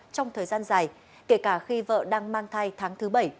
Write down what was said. trong thời gian dài kể cả khi vợ đang mang thai tháng thứ bảy